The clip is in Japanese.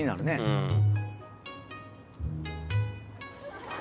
うん。